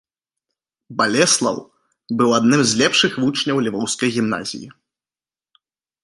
Балеслаў быў адным з лепшых вучняў львоўскай гімназіі.